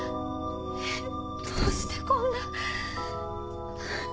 どうしてこんな。